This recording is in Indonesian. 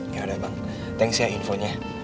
gak ada bang tanks ya infonya